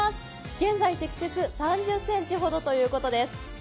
現在、積雪３０ｃｍほどということです